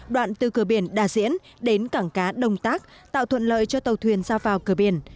đoạn từ cửa biển đà diễn đến cảng cá đồng tác tạo thuận lợi cho tàu thuyền ra vào cửa biển